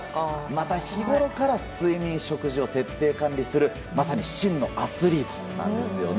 また日ごろから睡眠・食事を徹底管理する真のアスリートなんですね。